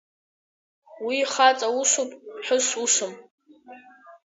Уи хаҵа усуп, ԥҳәыс усым!